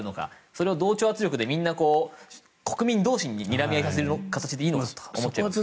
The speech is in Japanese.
それを同調圧力で国民同士でにらみ合いさせる形でいいのかと思いますね。